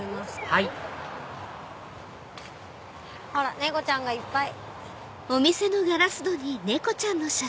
はいあら猫ちゃんがいっぱい。